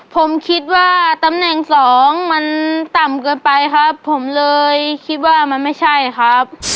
ผมคิดว่าตำแหน่งสองมันต่ำเกินไปครับผมเลยคิดว่ามันไม่ใช่ครับ